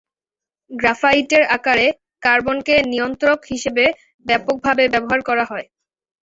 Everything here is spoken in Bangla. গ্রাফাইটের আকারে কার্বনকে নিয়ন্ত্রক হিসেবে ব্যাপকভাবে ব্যবহার করা হয়।